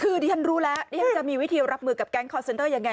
คือดิฉันรู้แล้วดิฉันจะมีวิธีรับมือกับแก๊งคอร์เซ็นเตอร์ยังไง